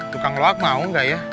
tukang loak mau nggak ya